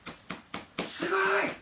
すごい！